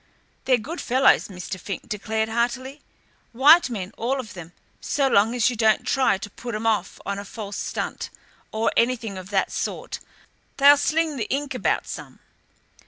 "They're good fellows," Mr. Fink declared heartily, "white men, all of them. So long as you don't try to put 'em off on a false stunt, or anything of that sort, they'll sling the ink about some.